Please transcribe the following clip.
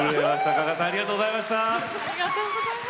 鹿賀さんありがとうございました。